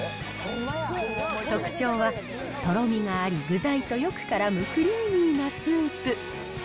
特徴は、とろみがあり、具材とよくからむクリーミーなスープ。